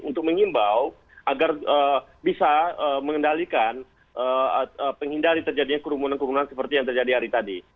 untuk mengimbau agar bisa mengendalikan menghindari terjadinya kerumunan kerumunan seperti yang terjadi hari tadi